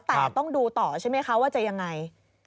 แต่ต้องดูต่อใช่ไหมคะว่าจะยังไง